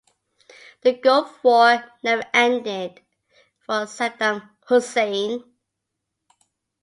The Gulf War never ended for Saddam Hussein.